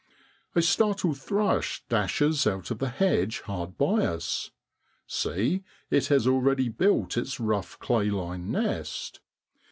A startled thrush dashes out of the hedge hard by us. See! it has already built its rough clay lined nest.